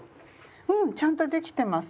うん！ちゃんとできてます。